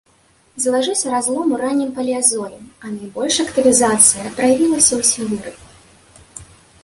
Залажыўся разлом у раннім палеазоі, а найбольшая актывізацыя праявілася ў сілуры.